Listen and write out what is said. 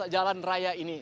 jalan raya ini